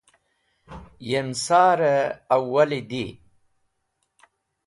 Yem sar-e awali di.